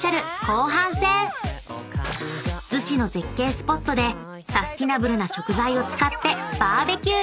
スポットでサスティナブルな食材を使ってバーベキュー！］